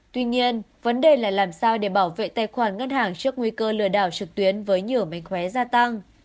tuy nhiên vấn đề là làm sao để bảo vệ tài khoản ngân hàng trước nguy cơ lừa đảo trực tuyến với nhiều mánh khóe gia tăng